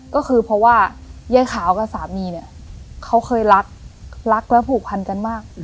ก็คือเพราะว่ายายขาวกับสามีเนี่ยเขาเคยรักรักและผูกพันกันมาก